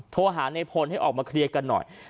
โทรหาในพลให้ออกมาเคลียร์กันหน่อย